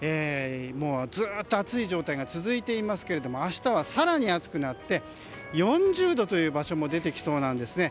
ずっと暑い状態が続いていますが明日は更に暑くなって４０度という場所も出てきそうなんですね。